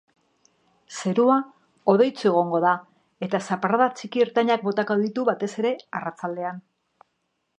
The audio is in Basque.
Zerua hodeitsu egongo da eta zaparrada txiki-ertainak botako ditu, batez ere arratsaldean.